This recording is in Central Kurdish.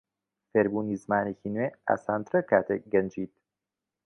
فێربوونی زمانێکی نوێ ئاسانترە کاتێک گەنجیت.